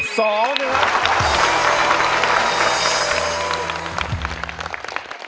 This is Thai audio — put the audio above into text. สองครับ